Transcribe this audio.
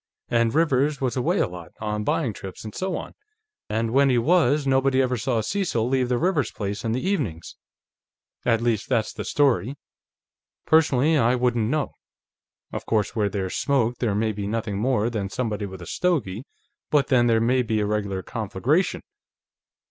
And Rivers was away a lot, on buying trips and so on, and when he was, nobody ever saw Cecil leave the Rivers place in the evenings. At least, that's the story; personally, I wouldn't know. Of course, where there's smoke, there may be nothing more than somebody with a stogie, but, then, there may be a regular conflagration."